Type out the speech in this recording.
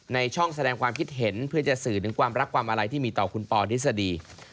ในช่องแสดงความคิดเห็นเพื่อจะสื่อถึงความรักความอะไรที่มีต่อคุณปอทฤษฎี